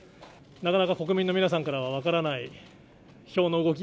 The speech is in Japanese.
なかなか国民の皆さんからは分からない票の動き